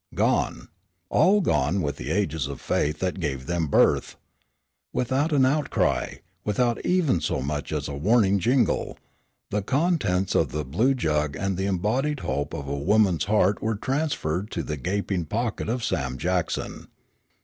Gone. All gone with the ages of faith that gave them birth. Without an outcry, without even so much as a warning jingle, the contents of the blue jug and the embodied hope of a woman's heart were transferred to the gaping pocket of Sam Jackson.